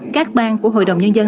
các ban của hội đồng nhân dân